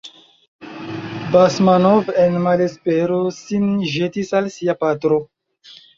Basmanov en malespero sin ĵetis al sia patro.